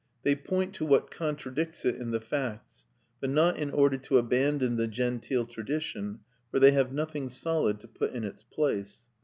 They point to what contradicts it in the facts; but not in order to abandon the genteel tradition, for they have nothing solid to put in its place.